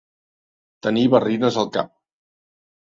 Tenir barrines al cap.